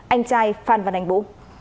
anh trai phan văn anh vũ